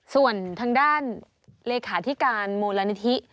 ส่วนทางด้านเลขาธิการมูลนิธิ